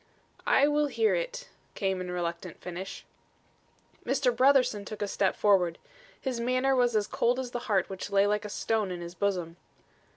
"I will hear it," came in reluctant finish. Mr. Brotherson took a step forward. His manner was as cold as the heart which lay like a stone in his bosom.